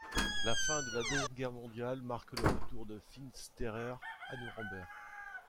La fin de la Deuxième Guerre mondiale marque le retour de Finsterer à Nuremberg.